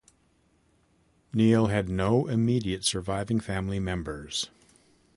Neill had no immediate surviving family members.